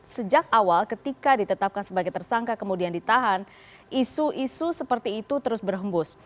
sejak awal ketika ditetapkan sebagai tersangka kemudian ditahan isu isu seperti itu terus berhembus